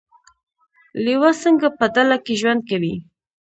لیوه څنګه په ډله کې ژوند کوي؟